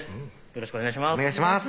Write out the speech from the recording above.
よろしくお願いします